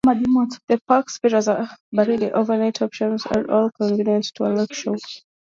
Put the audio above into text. The park's various overnight options are all convenient to a lakeshore.